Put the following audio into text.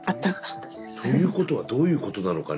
ということはどういうことなのかね。